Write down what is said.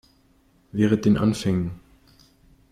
Wehret den Anfängen!